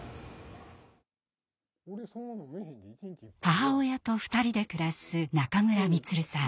母親と２人で暮らす中村満さん。